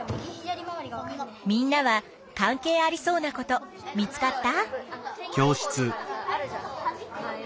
みんなは関係ありそうなこと見つかった？